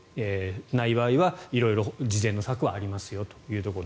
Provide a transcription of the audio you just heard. ない場合は色々次善の策はありますよと。